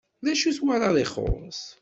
D acu i twalaḍ ixuṣṣ?